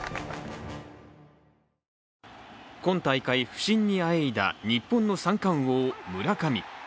今大会、不振にあえいだ、日本の三冠王村上。